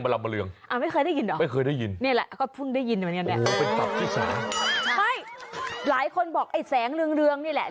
หลายคนบอกไอ้แสงเรืองนี่แหละ